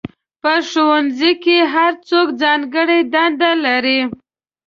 په ښوونځي کې هر څوک ځانګړې دندې لري.